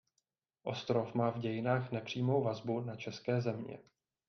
Ostrov má v dějinách nepřímou vazbu na české země.